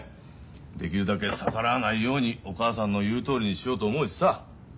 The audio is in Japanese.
できるだけ逆らわないようにお母さんの言うとおりにしようと思うしさ。